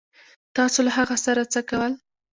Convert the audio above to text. تاسو له هغه سره څه کول